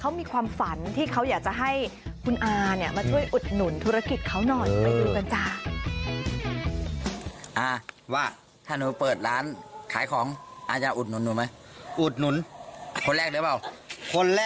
อ่ะค่ะเรารู้จักกันมานานใช่ดิคุณคนแรกเลยนะ